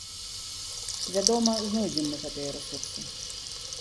Вядома, знойдзем мы гэтыя рэсурсы.